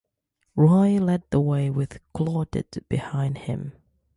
Roy led the way with Claudette behind him.